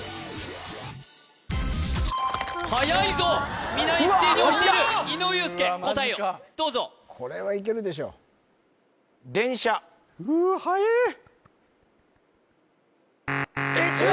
はやいぞ皆一斉に押している井上裕介答えをどうぞこれはいけるでしょうわはえええっ違う？